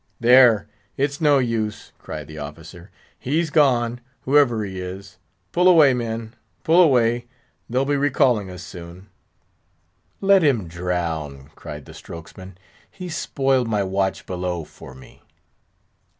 "There, it's no use," cried the officer; "he's gone, whoever he is. Pull away, men—pull away! they'll be recalling us soon." "Let him drown!" cried the strokesman; "he's spoiled my watch below for me."